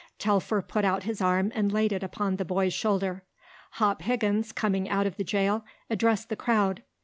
Telfer put out his arm and laid it upon the boy's shoulder. Hop Higgins, coming out of the jail, addressed the crowd.